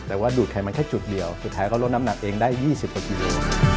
แต่ว่าดูดไขมันแค่จุดเดียวสุดท้ายเขาลดน้ำหนักเองได้๒๐กว่ากิโล